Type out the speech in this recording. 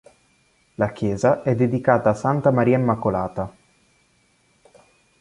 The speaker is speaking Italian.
La Chiesa è dedicata a Santa Maria Immacolata.